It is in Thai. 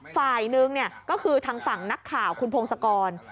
ฝ่ายหนึ่งก็คือทางฝั่งนักข่าวคุณพงศกร